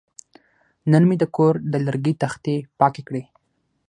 نن مې د کور د لرګي تختې پاکې کړې.